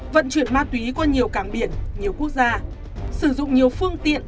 vận chuyển ma túy qua nhiều cảng biển nhiều quốc gia sử dụng nhiều phương tiện